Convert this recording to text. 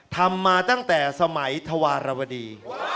ทำมาตั้งแต่สมัยธวารวดี